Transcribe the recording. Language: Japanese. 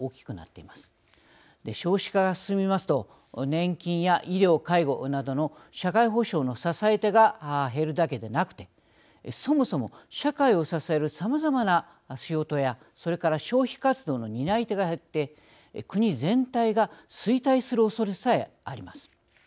少子化が進みますと年金や医療介護などの社会保障の支え手が減るだけでなくてそもそも社会を支えるさまざまな仕事やそれから消費活動の担い手が減って国全体が衰退するおそれさえあります。